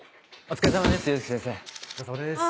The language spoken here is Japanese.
お疲れさまです。